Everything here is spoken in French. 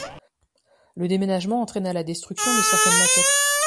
Le déménagement entraîna la destruction de certaines maquettes.